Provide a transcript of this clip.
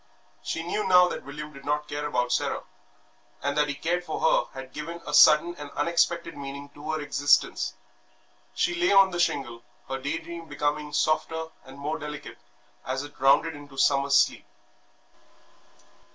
She knew now that William did not care about Sarah; and that he cared for her had given a sudden and unexpected meaning to her existence. She lay on the shingle, her day dream becoming softer and more delicate as it rounded into summer sleep.